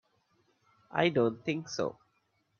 I don't think so.